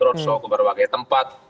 rotsol ke berbagai tempat